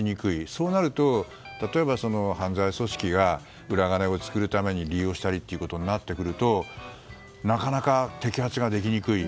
そうなると、例えば犯罪組織が裏金を作るために利用したりとなってくるとなかなか摘発ができにくい。